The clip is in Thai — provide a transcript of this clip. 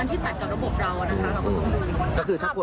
อันที่มาตัดกับระบบเรานะครับ